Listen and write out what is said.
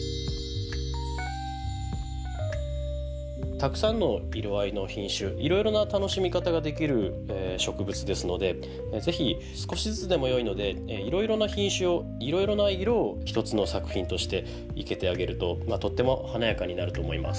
たくさんの色合いの品種いろいろな楽しみ方ができる植物ですので是非少しずつでもよいのでいろいろな品種をいろいろな色を一つの作品として生けてあげるととっても華やかになると思います。